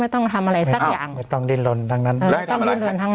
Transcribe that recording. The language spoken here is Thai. ไม่ต้องทำอะไรสักอย่างไม่ต้องดินลนทั้งนั้นเออต้องดินลนทั้งนั้น